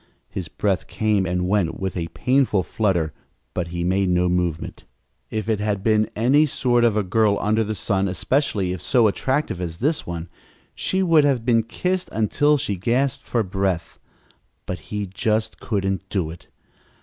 His breath came and went with a painful flutter but he made no movement. If it had been any sort of a girl under the sun, especially if so attractive as this one, she would have been kissed until she gasped for breath; but he just couldn't do it.